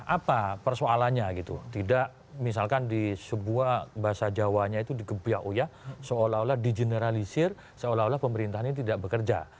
apa persoalannya gitu tidak misalkan di sebuah bahasa jawanya itu digebiak uya seolah olah di generalisir seolah olah pemerintah ini tidak bekerja